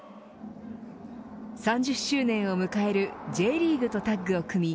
３０周年を迎えるＪリーグとタッグを組み